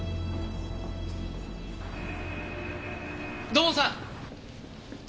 土門さん！